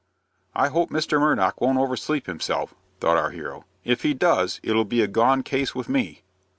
"I hope Mr. Murdock won't oversleep himself," thought our hero. "If he does, it'll be a gone case with me."